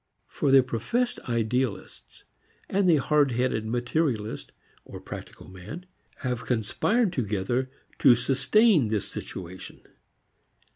For the professed idealist and the hard headed materialist or "practical" man, have conspired together to sustain this situation.